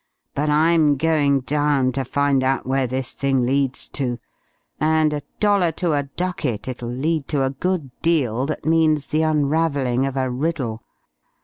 But I'm going down, to find out where this thing leads to, and a dollar to a ducat it'll lead to a good deal that means the unravelling of a riddle.